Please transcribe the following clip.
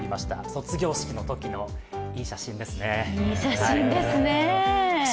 卒業式のときのいい写真ですね。